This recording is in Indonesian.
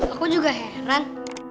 aku juga heran